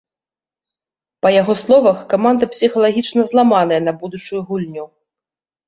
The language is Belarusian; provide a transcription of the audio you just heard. Па яго словах, каманда псіхалагічна зламаная на будучую гульню.